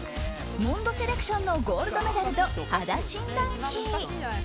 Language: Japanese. モンドセレクションのゴールドメダルと、肌診断機。